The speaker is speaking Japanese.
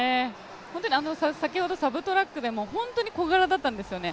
先ほどサブトラックでも本当に小柄だったんですよね。